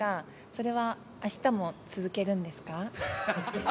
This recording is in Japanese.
それはあしたも続けるんですか？